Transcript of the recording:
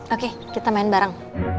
oke kita main bareng